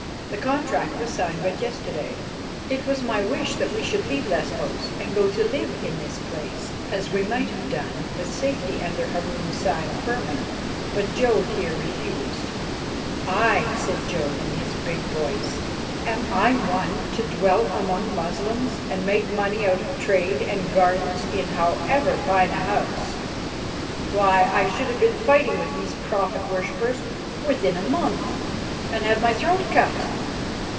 The contract was signed but yesterday. It was my wish that we should leave Lesbos and go to live in this place, as we might have done with safety under Harun's signed firman, but Jodd here refused." "Aye," said Jodd in his big voice. "Am I one to dwell among Moslems and make money out of trade and gardens in however fine a house? Why, I should have been fighting with these prophet worshippers within a month, and had my throat cut.